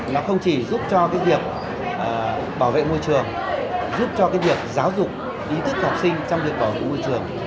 nó không chỉ giúp cho cái việc bảo vệ môi trường giúp cho cái việc giáo dục ý thức học sinh trong việc bảo vệ môi trường